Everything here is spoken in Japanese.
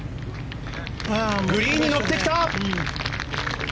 グリーンに乗ってきた！